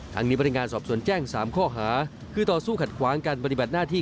ทางนี้พนักงานสอบสวนแจ้ง๓ข้อหาคือต่อสู้ขัดขวางการปฏิบัติหน้าที่